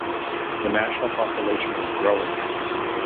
The national population was growing.